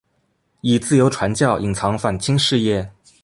以自由传教隐藏反清事业。